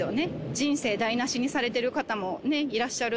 人生台なしにされてる方もいらっしゃる。